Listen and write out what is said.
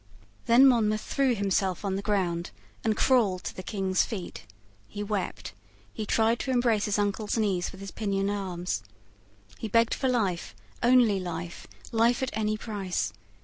Then Monmouth threw himself on the ground, and crawled to the King's feet. He wept. He tried to embrace his uncle's knees with his pinioned arms. He begged for life, only life, life at any price.